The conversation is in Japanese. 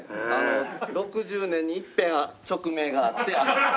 ６０年にいっぺん勅命があって。